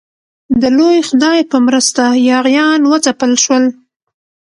د لوی خدای په مرسته یاغیان وځپل شول.